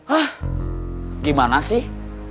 hah gimana sih